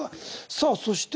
さあそして